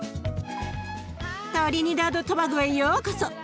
トリニダード・トバゴへようこそ！